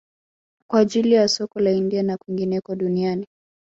Kwa ajili ya soko la India na kwingineko duniani